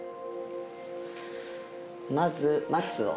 まず松を。